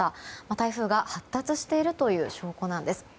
台風が発達しているという証拠なんです。